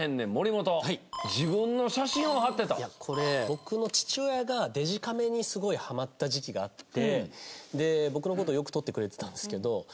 僕の父親がデジカメにすごいハマった時期があってで僕の事をよく撮ってくれてたんですけど。